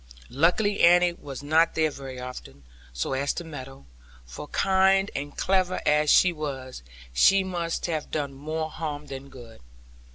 Luckily Annie was not there very often, so as to meddle; for kind and clever nurse as she was, she must have done more harm than good.